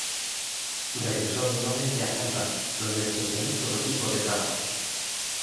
Regresó nuevamente a Tampa donde desempeñó todo tipo de trabajos.